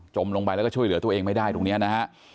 ลงไปแล้วก็ช่วยเหลือตัวเองไม่ได้ตรงนี้นะฮะ